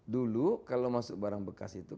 dulu kalau masuk barang bekas itu